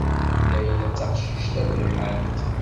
Layla d taqcict tabiḥant.